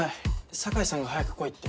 境さんが早く来いって。